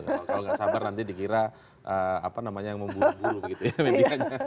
kalau nggak sabar nanti dikira apa namanya yang memburu buru begitu ya medianya